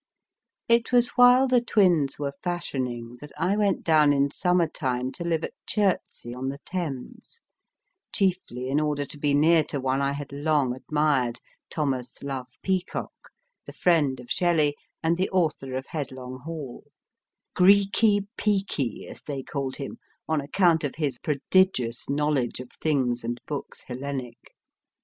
It was while the twins were fashioning, that I went down in summer time to live at Chertsey on the Thames, chiefly in order to be near to one I had long admired, Thomas Love Peacock, the friend of Shelley and the author of Headlong Hall Greekey Peekey, as they called him, on account of his prodigious knowledge of things and books Hellenic.